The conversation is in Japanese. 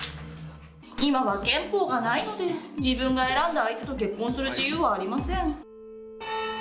今は憲法がないので自分が選んだ相手と結婚する自由はありません。